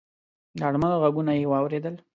د اړمنو غږونه یې واورېدل.